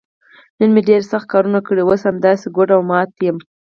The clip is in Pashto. نن مې ډېر سخت کارونه کړي، اوس همداسې ګوډ او مات یم.